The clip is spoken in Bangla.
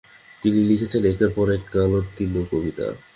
তিনি লিখেছেন একের পর এক কালোত্তীর্ণ কবিতা।